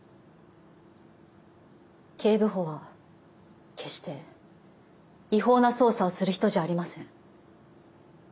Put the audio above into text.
警部補は決して違法な捜査をする人じゃありません。